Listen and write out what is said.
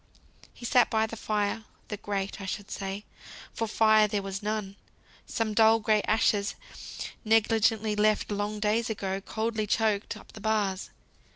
He sat by the fire; the grate I should say, for fire there was none. Some dull, gray ashes, negligently left, long days ago, coldly choked up the bars.